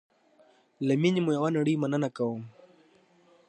له میني مو یوه نړی مننه کوم